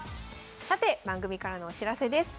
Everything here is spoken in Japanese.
さて番組からのお知らせです。